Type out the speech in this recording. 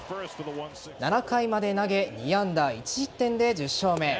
７回まで投げ２安打１失点で１０勝目。